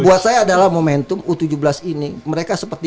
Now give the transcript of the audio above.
buat saya adalah momentum u tujuh belas ini mereka seperti